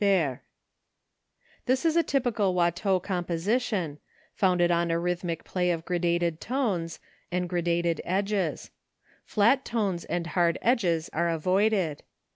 This is a typical Watteau composition, founded on a rhythmic play of gradated tones and gradated edges. Flat tones and hard edges are avoided.